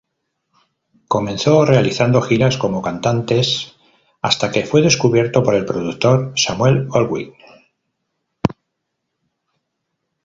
Comenzó realizando giras como cantantes, hasta que fue descubierto por el productor Samuel Goldwyn.